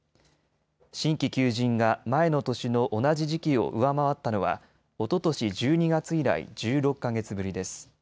新規求人が前の年の同じ時期を上回ったのはおととし１２月以来１６か月ぶりです。